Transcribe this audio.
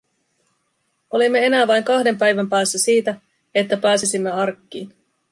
Olimme enää vain kahden päivän päässä siitä, että pääsisimme arkkiin.